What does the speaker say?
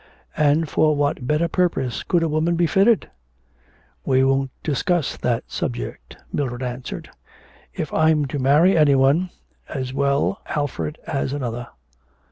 'And for what better purpose could a woman be fitted?' 'We won't discuss that subject,' Mildred answered. 'If I'm to marry any one, as well Alfred as another.'